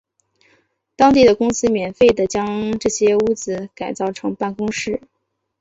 当地的公司免费地将这些屋子改造成办公室。